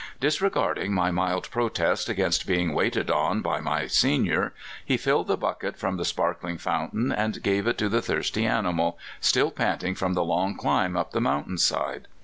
Disregarding m} mild protest against being waited on by my senior, he filled the bucket from the sparkling fountain, and gave it to the thirsty animal, still panting from the long climb up the mountain side.